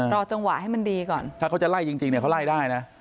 รอจังหวะให้มันดีก่อนถ้าเขาจะไล่จริงเนี่ยเขาไล่ได้นะ